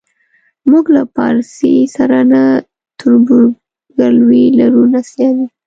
موږ له پارسي سره نه تربورګلوي لرو نه سیالي.